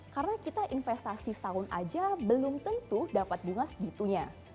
karena kita investasi setahun aja belum tentu dapat bunga segitunya